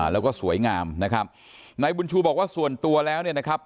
แล้วก็สวยงามนะครับนายบุญชูบอกว่าส่วนตัวแล้วเนี่ยนะครับ